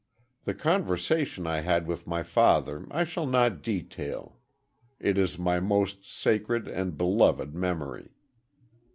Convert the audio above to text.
"The conversation I had with my father I shall not detail. It is my most sacred and beloved memory.